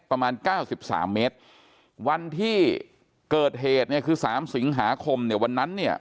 ประมาณเก้าสิบสามเมตรวันที่เกิดเหตุเนี่ยคือสามสิงหาคมเนี่ยวันนั้นเนี่ย